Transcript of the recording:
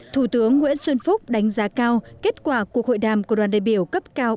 thủ tướng nguyễn xuân phúc đánh giá cao kết quả cuộc hội đàm của đoàn đại biểu cấp cao